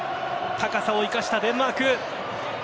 高さを生かしたデンマーク。